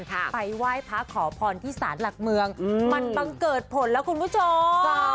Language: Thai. ไปไหว้พระขอพรที่สารหลักเมืองมันบังเกิดผลแล้วคุณผู้ชม